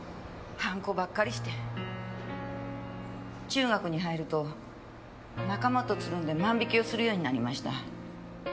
中学に入ると仲間とつるんで万引きをするようになりました。